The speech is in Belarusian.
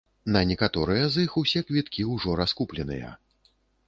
На некаторыя з іх усе квіткі ўжо раскупленыя.